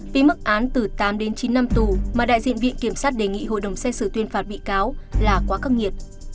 vì mức án từ tám đến chín năm tù mà đại diện viện kiểm sát đề nghị hội đồng xét xử tuyên phạt bị cáo là quá khắc nghiệt